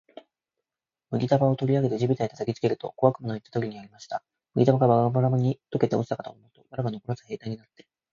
麦束を取り上げて地べたへ叩きつけると、小悪魔の言った通りやりました。麦束がバラバラに解けて落ちたかと思うと、藁がのこらず兵隊になって、